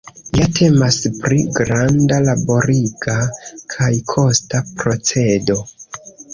Ja temas pri granda, laboriga kaj kosta procedo.